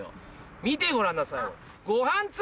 見てごらんなさい。